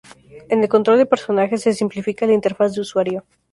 En el control del personaje, se simplifica la interfaz de usuario.